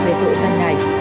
về tội doanh này